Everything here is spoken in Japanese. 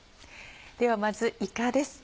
ではまずいかです。